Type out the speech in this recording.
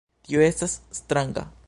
Tio estas stranga.